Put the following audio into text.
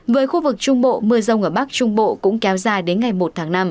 với khu vực trung bộ mưa rông ở bắc trung bộ cũng kéo dài đến ngày một tháng năm